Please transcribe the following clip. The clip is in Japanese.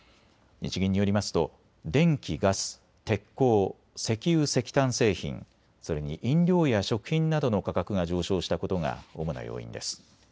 日銀によりますと電気・ガス、鉄鋼、石油・石炭製品、それに飲料や食品などの価格が上昇したことが主な要因です。